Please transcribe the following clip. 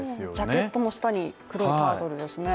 ジャケットの下に、黒いタートルですね。